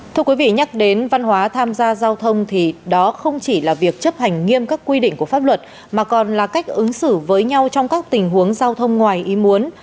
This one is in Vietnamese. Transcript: thưa quý vị nhắc đến văn hóa tham gia giao thông thì đó không chỉ là việc chấp hành nghiêm các quy định của pháp luật mà còn là cách ứng xử với nhau trong các tình huống giao thông ngoài ý muốn